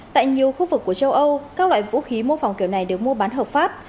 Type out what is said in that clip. tại nhiều khu vực của châu âu các loại vũ khí mô phỏng kiểu này được mua bán hợp pháp